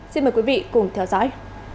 xin mời quý vị cùng theo dõi